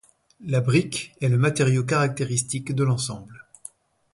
La brique est le matériau caractéristique de l’ensemble.